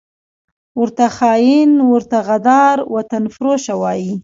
ورته خاین، ورته غدار، وطنفروشه وايي